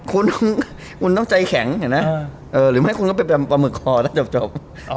คุณต้องใจแข็งนะหรือที่เป็นปลาหมึกพอจบ